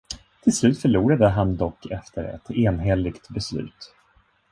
Till slut förlorade han dock efter ett enhälligt beslut.